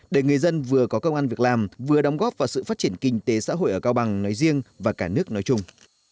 để người dân vừa có công an việc làm vừa đóng góp vào sự phát triển kinh tế xã hội ở cao bằng nói riêng và cả nước nói chung